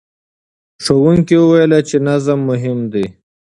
ښوونکي وویل چې نظم مهم دی.